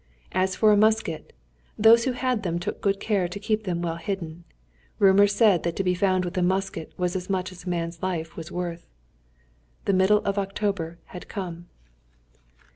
As for a musket, those who had them took good care to keep them well hidden. Rumour said that to be found with a musket was as much as a man's life was worth. The middle of October had come.